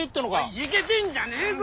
いじけてんじゃねえぞ